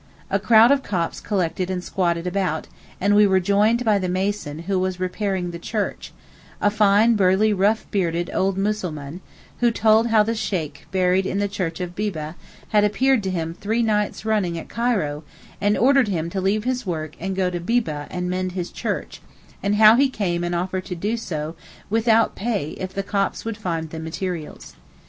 A crowd of Copts collected and squatted about, and we were joined by the mason who was repairing the church, a fine, burly, rough bearded old Mussulman, who told how the Sheykh buried in the church of Bibbeh had appeared to him three nights running at Cairo and ordered him to leave his work and go to Bibbeh and mend his church, and how he came and offered to do so without pay if the Copts would find the materials.